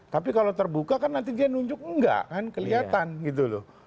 tapi kalau terbuka kan nanti dia nunjuk enggak kan kelihatan gitu loh